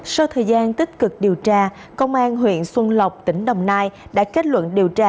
sau thời gian tích cực điều tra công an huyện xuân lộc tỉnh đồng nai đã kết luận điều tra